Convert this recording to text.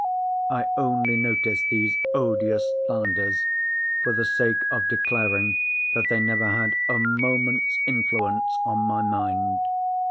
I only notice these odious slanders for the sake of declaring that they never had a moment's influence on my mind.